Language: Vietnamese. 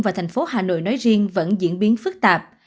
và tp hà nội nói riêng vẫn diễn biến phức tạp